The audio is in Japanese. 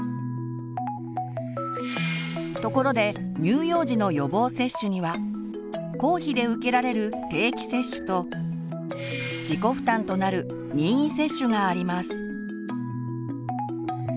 ところで乳幼児の予防接種には公費で受けられる「定期接種」と自己負担となる「任意接種」があります。